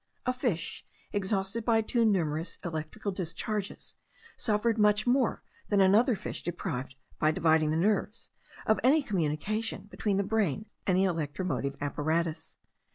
A fish, exhausted by too numerous electrical discharges, suffered much more than another fish deprived, by dividing the nerves, of any communication between the brain and the electromotive apparatus.